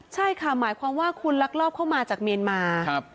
ใช่ค่ะหมายความว่าคุณลักลอบเข้ามาจากเมียนมา